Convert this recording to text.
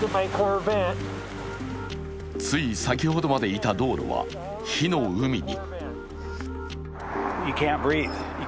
つい先ほどまでいた道路は火の海に。